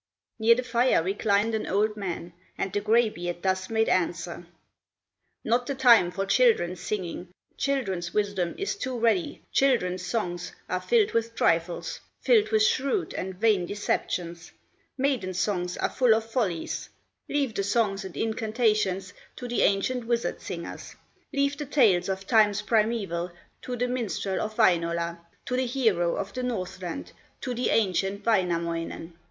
Near the fire reclined an old man, And the gray beard thus made answer: "Not the time for children's singing, Children's wisdom is too ready, Children's songs are filled with trifles, Filled with shrewd and vain deceptions, Maiden songs are full of follies; Leave the songs and incantations To the ancient wizard singers; Leave the tales of times primeval To the minstrel of Wainola, To the hero of the Northland, To the ancient Wainamoinen."